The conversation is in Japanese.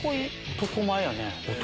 男前やね。